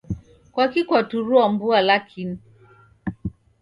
Kwakii kwaturua mbua lakini?